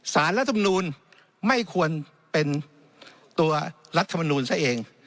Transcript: รัฐมนูลไม่ควรเป็นตัวรัฐมนูลซะเอง